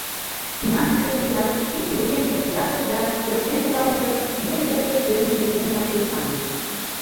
Иман пушеҥге-влак чинче вургемыштым кудашыч да, кошкен шогалмекышт, неле ойгыш перныше еҥла шӱлыкаҥыч.